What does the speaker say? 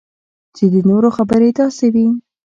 چې د نورو خبرې داسې وي